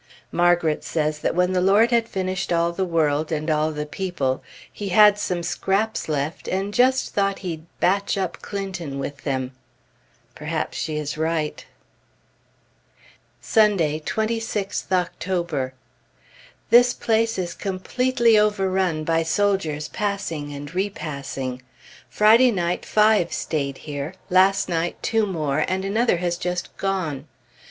Margret says that when the Lord had finished all the world and all the people, he had some scraps left, and just thought he'd "batch up" Clinton with them. Perhaps she is right. Sunday, 26th October. This place is completely overrun by soldiers passing and repassing. Friday night five stayed here, last night two more, and another has just gone.